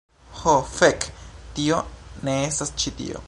Ho, fek', tio ne estas ĉi tio.